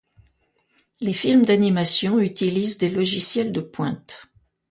Les films d’animation utilisent des logiciels de pointe.